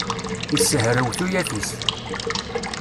Issehrew tuyat-is.